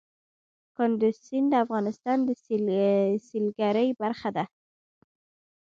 کندز سیند د افغانستان د سیلګرۍ برخه ده.